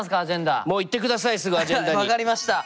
分かりました。